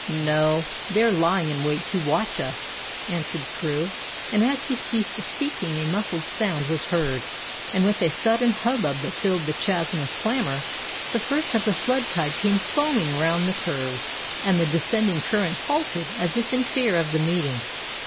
"No, they are lying in wait to watch us," answered Crewe; and as he ceased speaking a muffled sound was heard, and with a sudden hubbub that filled the chasm with clamor, the first of the flood tide came foaming round the curve, and the descending current halted as if in fear of the meeting.